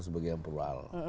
sebagai yang perual